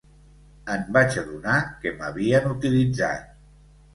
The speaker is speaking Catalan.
Em vaig adonar que m'havien utilitzat.